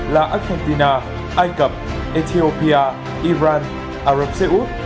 là argentina ai cập ethiopia iran ả rập xê út